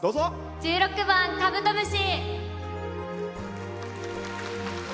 １６番「カブトムシ」。